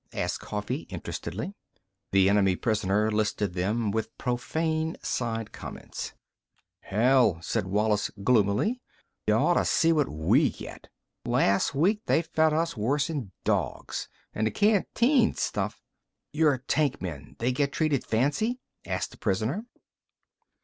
asked Coffee interestedly. The enemy prisoner listed them, with profane side comments. "Hell," said Wallis gloomily. "Y'ought to see what we get! Las' week they fed us worse'n dogs. An' th' canteen stuff—" "Your tank men, they get treated fancy?" asked the prisoner.